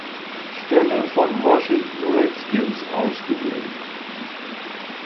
Stelle von den Washington Redskins ausgewählt.